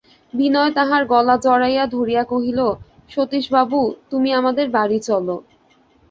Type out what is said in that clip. বিনয় তাহার গলা জড়াইয়া ধরিয়া কহিল, সতীশবাবু, তুমি আমাদের বাড়ি চলো।